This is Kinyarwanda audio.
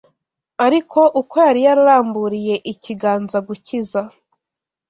Ariko uko yari yararamburiye ikiganza gukiza